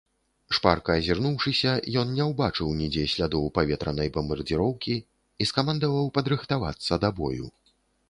Шпарка азірнуўшыся, ён не ўбачыў нідзе слядоў паветранай бамбардзіроўкі і скамандаваў падрыхтавацца да бою.